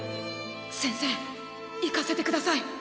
先生行かせてください。